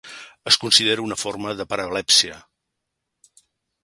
Es considera una forma de parablèpsia.